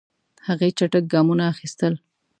هغې چټک ګامونه اخیستل.